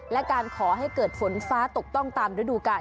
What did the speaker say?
และการขอให้เกิดฝนฟ้าตกต้องตามฤดูกาล